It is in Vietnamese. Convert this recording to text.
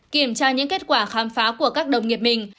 kiểm tra những kết quả khám phá của các đồng nghiệp mình